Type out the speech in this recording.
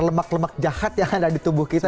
lemak lemak jahat yang ada di tubuh kita